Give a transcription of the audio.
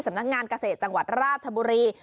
สำนักงานเกษตรจังหวัดราชบุรี